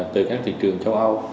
từ các thị trường châu âu